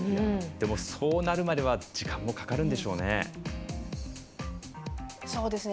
そうなるまでは時間もかかるんでしょうね。